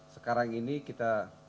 sekarang ini kita